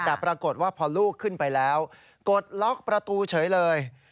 แต่ปรากฏว่าพอลูกขึ้นไปแล้วกดล็อกประตูเฉยเลย